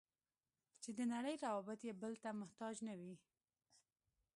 چې د نړۍ روابط یې بل ته محتاج نه وي.